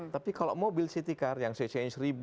tapi kalau mobil city car yang cc nya seribu